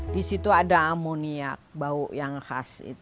di situ ada amoniak bau yang khas